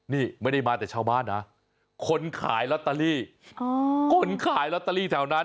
นี่ไม่ได้มาแต่ชาวบ้านนะคนขายลอตเตอรี่คนขายลอตเตอรี่แถวนั้น